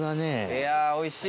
いやおいしい